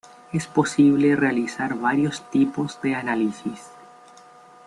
Es posible realizar varios tipos de análisis.